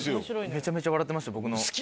めちゃめちゃ笑ってました。